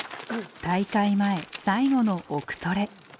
大会前最後の「奥トレ」。